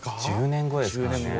１０年後ですからね。